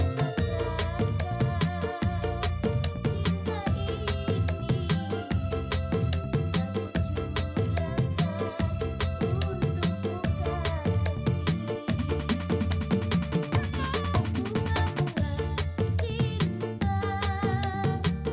mengangkat jiwa ini saat dirimu